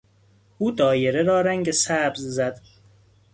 او دایره را رنگ سبز زد.